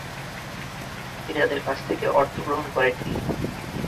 তিনি তাদের কাছ থেকে অর্থ গ্রহণ করেননি।